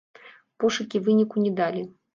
Пошукі выніку не далі.